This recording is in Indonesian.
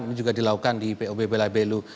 ini juga dilakukan di pob belabelu